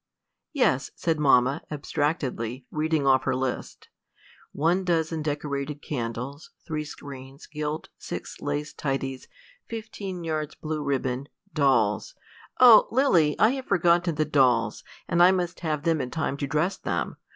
"Yes," said mamma, abstractedly, reading off her list; "one dozen decorated candles; three screens, gilt; six lace tidies; fifteen yards blue ribbon; dolls oh, Lily, I have forgotten the dolls, and I must have them in time to dress them.